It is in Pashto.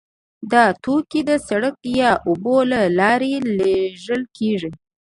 دا توکي د سړک یا اوبو له لارې لیږل کیږي